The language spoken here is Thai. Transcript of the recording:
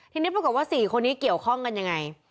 ทีนี้ปรากฏว่า๔คนนี้เกี่ยวข้องกันยังไง